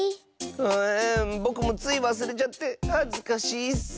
えっぼくもついわすれちゃってはずかしいッス。